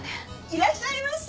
いらっしゃいませ！